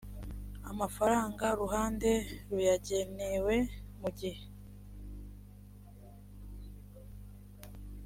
amafaranga uruhande ruyagenewe mu gihe